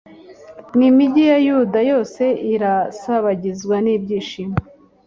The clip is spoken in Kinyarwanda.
n’imigi ya Yuda yose irasabagizwa n’ibyishimo